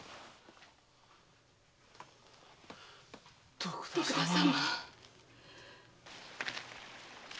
徳田様。